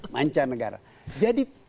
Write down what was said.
manca negara jadi